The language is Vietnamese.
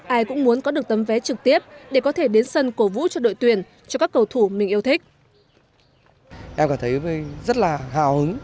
ai cũng muốn có được tấm vé trực tiếp để có thể đến sân cổ vũ cho đội tuyển cho các cầu thủ mình yêu thích